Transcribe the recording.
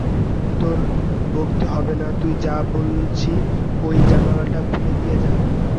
তোর বকতে হবে না, তুই যা বলছি, ঐ জানলাটা খুলে দিয়ে যা।